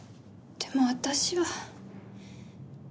でも私は。